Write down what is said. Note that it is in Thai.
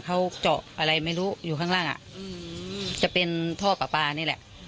เขาเจาะอะไรไม่รู้อยู่ข้างล่างอ่ะอืมจะเป็นท่อปลาปลานี่แหละ